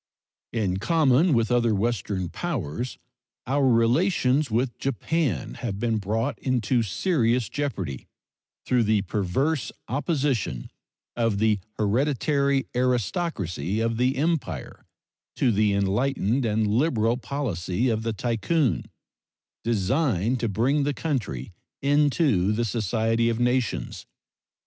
In common with other Western powers, our relations with Japan have been brought into serious jeopardy through the perverse opposition of the hereditary aristocracy of the Empire to the enlightened and liberal policy of the Tycoon, designed to bring the country into the society of nations.